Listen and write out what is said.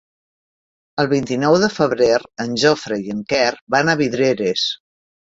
El vint-i-nou de febrer en Jofre i en Quer van a Vidreres.